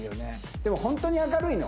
でもホントに明るいの？